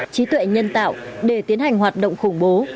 trí tuệ nhân tạo để tiến hành hoạt động khủng bố